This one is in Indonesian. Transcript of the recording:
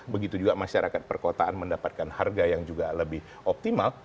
begitu juga masyarakat perkotaan mendapatkan harga yang juga lebih optimal